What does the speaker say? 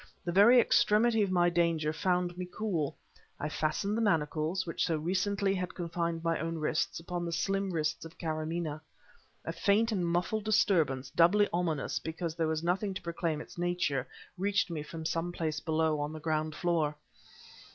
The very extremity of my danger found me cool. I fastened the manacles, which so recently had confined my own wrists, upon the slim wrists of Karamaneh. A faint and muffled disturbance, doubly ominous because there was nothing to proclaim its nature, reached me from some place below, on the ground floor.